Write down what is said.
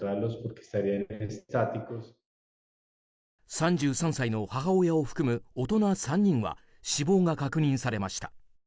３３歳の母親を含む大人３人は死亡が確認されました。